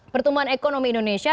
pertumbuhan ekonomi indonesia